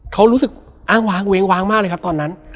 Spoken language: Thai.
เขารู้สึกอ้างว้างเว้งว้างมากเลยครับตอนนั้น